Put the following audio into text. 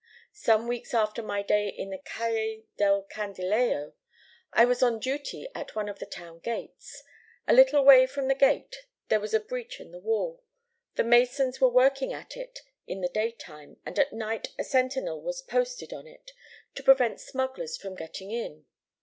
Some weeks after my day in the Calle del Candilejo I was on duty at one of the town gates. A little way from the gate there was a breach in the wall. The masons were working at it in the daytime, and at night a sentinel was posted on it, to prevent smugglers from getting in.